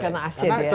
karena aset ya di situ